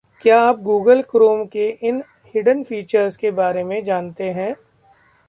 क्या आप Google Chrome के इन हिडेन फीचर्स के बारे में जानते हैं